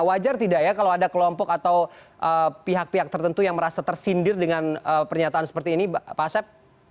wajar tidak ya kalau ada kelompok atau pihak pihak tertentu yang merasa tersindir dengan pernyataan seperti ini pak asep